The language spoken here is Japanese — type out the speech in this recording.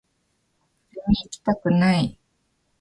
ゼミ行きたくない